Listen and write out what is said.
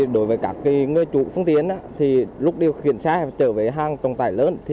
đối với các người chủ phương tiến lúc điều khiển xe trở về hàng trọng tài lớn